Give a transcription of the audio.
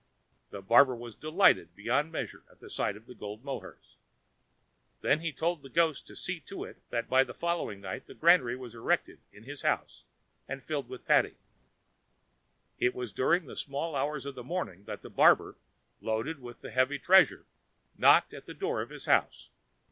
The barber was delighted beyond measure at the sight of the gold mohurs. He then told the ghost to see to it that by the following night a granary was erected in his house and filled with paddy. It was during the small hours of the morning that the barber, loaded with the heavy treasure, knocked at the door of his house.